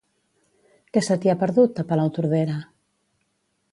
Què se t'hi ha perdut, a Palautordera?